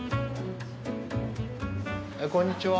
こんにちは。